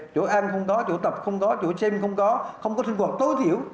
chỗ ăn không có chỗ tập không có chỗ xem không có không có sinh hoạt tối thiểu